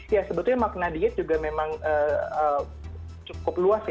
ya sebetulnya makna diet juga memang cukup luas ya